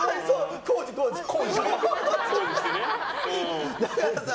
工事、工事。